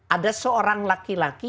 ada seorang laki laki